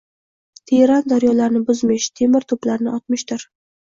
Teran daryolarni buzmish, temir toʻplarni otmishdir